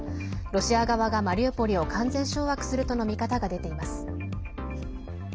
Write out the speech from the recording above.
ロシア側がマリウポリを完全掌握するとの見方が出ています。